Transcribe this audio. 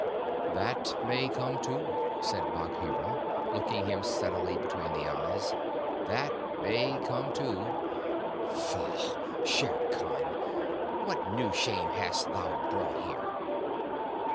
_" "That may come, too," said Bagheera, looking him steadily between the eyes. "That may come, too Faugh, Shere Khan! what new shame hast thou brought here?"